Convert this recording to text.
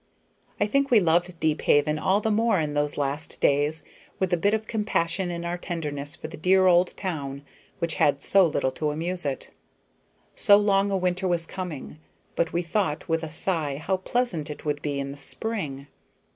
I think we loved Deephaven all the more in those last days, with a bit of compassion in our tenderness for the dear old town which had so little to amuse it. So long a winter was coming, but we thought with a sigh how pleasant it would be in the spring.